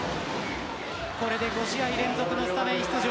これで５試合連続のスタメン出場